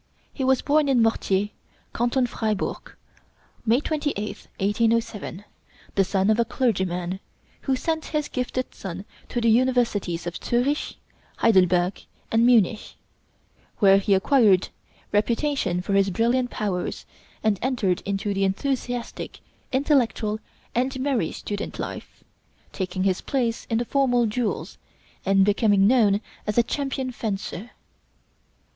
He was born in Mortier, Canton Fribourg, May 28th, 1807, the son of a clergyman, who sent his gifted son to the Universities of Zürich, Heidelberg, and Munich, where he acquired reputation for his brilliant powers, and entered into the enthusiastic, intellectual, and merry student life, taking his place in the formal duels, and becoming known as a champion fencer.